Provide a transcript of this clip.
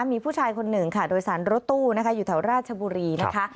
มีผู้ชายคนหนึ่งค่ะโดยสารรถตู้นะคะอยู่แถวราชบุรีนะคะ